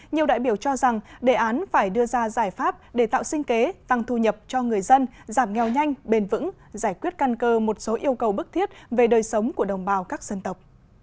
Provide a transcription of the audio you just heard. nhiều đại biểu cho rằng đề án phải đưa ra giải pháp để tạo sinh kế tăng thu nhập cho người dân giảm nghèo nhanh bền vững giải quyết căn cơ một số yêu cầu bức thiết về đời sống của đồng bào các dân tộc